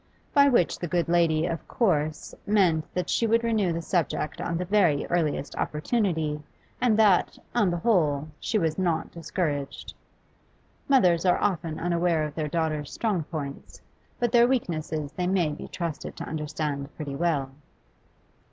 By which the good lady of course meant that she would renew the subject on the very earliest opportunity, and that, on the whole, she was not discouraged. Mothers are often unaware of their daughters' strong points, but their weaknesses they may be trusted to understand pretty well.